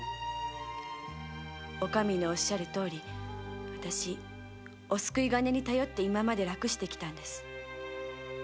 お上のおっしゃるとおり私お救い金に頼ってこれまで楽をして来たんです。